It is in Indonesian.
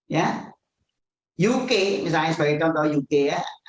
ya uk misalnya sebagai contoh uk ya